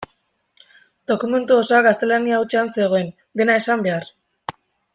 Dokumentu osoa gaztelania hutsean zegoen, dena esan behar.